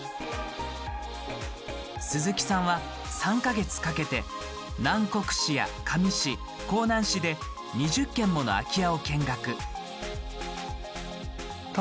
鈴木さんは３か月かけて南国市や香美市香南市で２０軒もの空き家を見学。